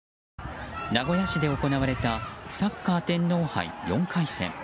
名古屋市で行われたサッカー天皇杯４回戦。